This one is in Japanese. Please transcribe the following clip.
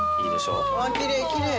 わあきれいきれい。